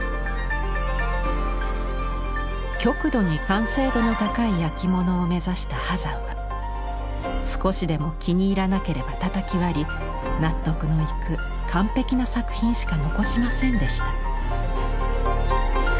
極度に完成度の高いやきものを目指した波山は少しでも気に入らなければたたき割り納得のいく完璧な作品しか残しませんでした。